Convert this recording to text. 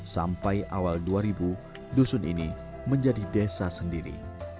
sampai awal dua ribu dusun ini menjadi desa sendiri